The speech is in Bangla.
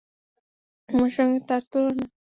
আমার সঙ্গে তাঁর তুলনা!